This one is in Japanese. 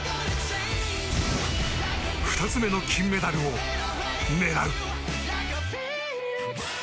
２つ目の金メダルを狙う！